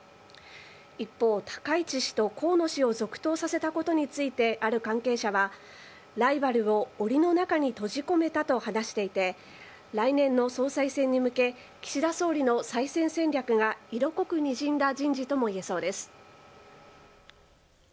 一方、高市氏と河野氏を続投させたことについてある関係者はライバルを、おりの中に閉じ込めたと話していて来年の総裁選に向け岸田総理の再選戦略が色濃くにじんだ人事とも言えそうです。